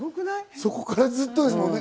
そこからずっとですもんね。